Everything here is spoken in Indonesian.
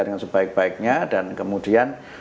dengan sebaik baiknya dan kemudian